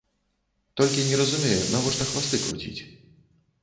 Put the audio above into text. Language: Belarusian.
Толькі не разумею, навошта хвасты круціць?